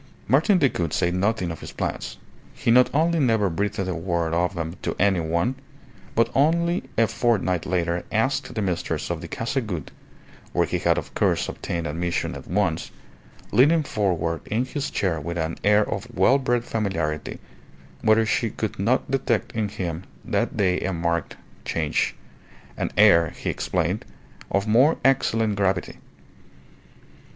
Martin Decoud said nothing of his plans. He not only never breathed a word of them to any one, but only a fortnight later asked the mistress of the Casa Gould (where he had of course obtained admission at once), leaning forward in his chair with an air of well bred familiarity, whether she could not detect in him that day a marked change an air, he explained, of more excellent gravity.